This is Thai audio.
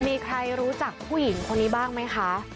มีใครรู้จักผู้หญิงคนนี้บ้างไหมคะ